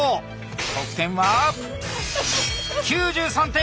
得点は９３点。